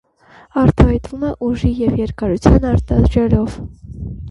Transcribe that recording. Արտահայտվում է ուժի և երկարության արտադրյալով։